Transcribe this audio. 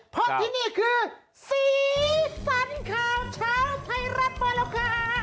เพราะที่นี่คือสีสันข่าวเช้าไทยรัฐมาแล้วค่ะ